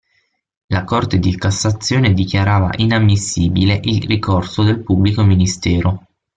La Corte di Cassazione dichiarava inammissibile il ricorso del pubblico ministero.